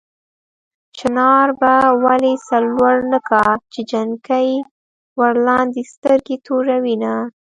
چنار به ولې سر لوړ نه کا چې جنکۍ ورلاندې سترګې توروينه